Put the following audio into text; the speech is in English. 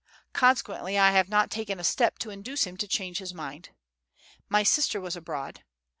Consequently, I have not taken a step to induce him to change his mind. My sister was abroad.